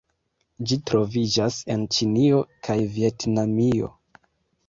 Ĝi troviĝas en Ĉinio kaj Vjetnamio.